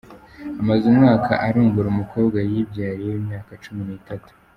Amaze umwaka arongora umukobwa Yibyariye w’imyaka cumi nitatu